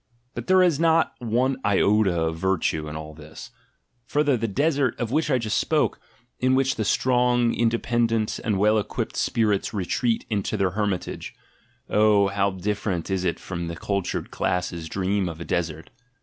But there is not one iota of "virtue" in all this. Further, the desert, of which I just spoke, in which the strong, independent, and well equipped spirits retreat into their hermitage — oh, how different is it from the cultured classes' dream of a desert!